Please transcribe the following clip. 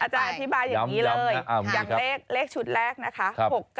อาจารย์อธิบายอย่างนี้เลยยังเลขชุดแรกนะคะ